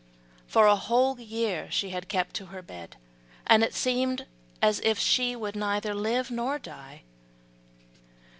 For a whole year she had kept her bed, and it seemed as if she could neither live nor die.